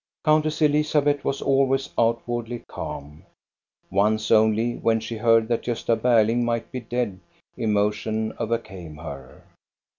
Countess Elizabeth was always outwardly calm. Once only, when she heard that Gosta Berling might be dead, emotion overcame her.